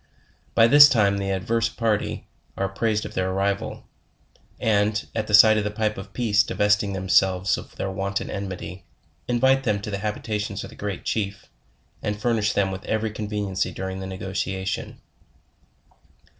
By this time the adverse party are apprised of their arrival, and, at the sight of the pipe of peace divesting themselves of their wonted enmity, invite them to the habitations of the Great Chief, and fur nish them with every conveniency during the negotiation.